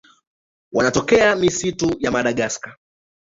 Wanatokea misitu ya Madagaska.